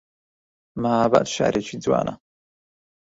مەهاباد شارێکی جوانە